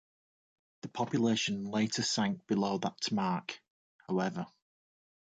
The population later sank below that mark, however.